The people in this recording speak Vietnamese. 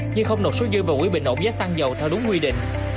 như không nộp số dư vào quỹ bình ổn giá xăng dầu theo đúng quy định